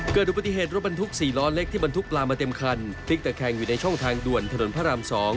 เกิดอุบัติเหตุรถบรรทุก๔ล้อเล็กที่บรรทุกปลามาเต็มคันพลิกตะแคงอยู่ในช่องทางด่วนถนนพระราม๒